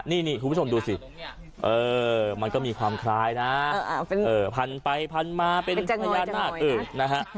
นี่คุณผู้ชมดูสิมันก็มีความคล้ายนะพันไปพันมาเป็นพญานาคนะฮะ